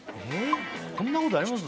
こんなことあります？